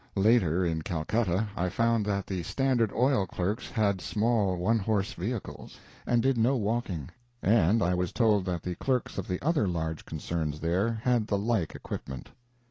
Later, in Calcutta, I found that the Standard Oil clerks had small one horse vehicles, and did no walking; and I was told that the clerks of the other large concerns there had the like equipment.